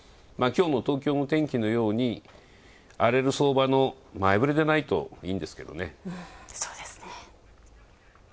きょうの東京の天気のように荒れる相場の前触れじゃないといいんですけどね。